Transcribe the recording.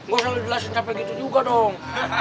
gue selalu jelasin sampe gitu juga dong